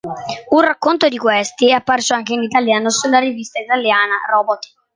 Un racconto di questi è apparso anche in italiano sulla rivista italiana "Robot".